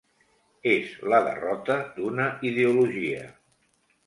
És la derrota d’una ideologia.